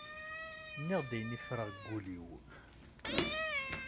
Nniɣ-d ayen i ffreɣ g ul-iw.